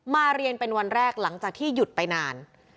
เรียนเป็นวันแรกหลังจากที่หยุดไปนาน